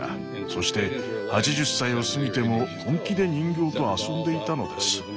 そして８０歳を過ぎても本気で人形と遊んでいたのです。